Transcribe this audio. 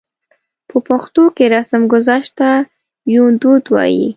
په پښتو کې رسمګذشت ته يوندود وايي.